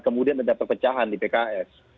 kemudian ada perpecahan di pks